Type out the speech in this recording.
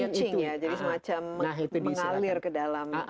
jadi leaching ya semacam mengalir ke dalam